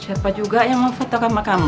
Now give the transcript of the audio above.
siapa juga yang mau foto sama kamu